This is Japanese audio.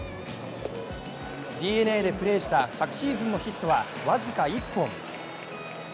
ＤｅＮＡでプレーした昨シーズンのヒットは僅か１本。